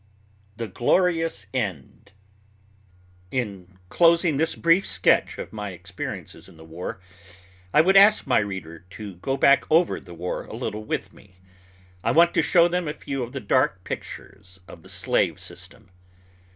THE GLORIOUS END. In closing this brief sketch of my experiences in the war, I would ask my readers to go back of the war a little with me. I want to show them a few of the dark pictures of the slave system.